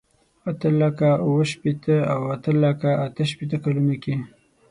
اته لکه اوه شپېته او اته لکه اته شپېته کلونو کې.